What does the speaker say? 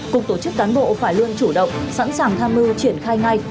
cục tổ chức cán bộ phải luôn chủ động sẵn sàng tham mưu triển khai ngay